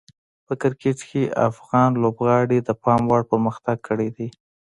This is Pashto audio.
په کرکټ کې افغان لوبغاړي د پام وړ پرمختګ کړی دی.